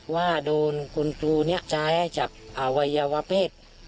ว่าโดนคุณครูนี้ใช้จากวัยวะเพศ